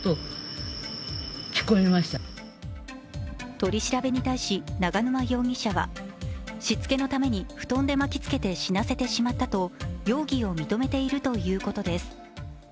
取り調べに対し永沼容疑者はしつのために布団で巻きつけて死なせてしまったと容疑を認めているということです。